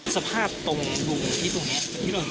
สภาพตรงรุมที่ตรงนี้นี่หนูอยู่อยู่ไหน